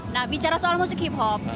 nah bicara soal musik hip hop